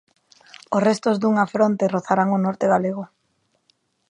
Os restos dunha fronte rozarán o norte galego.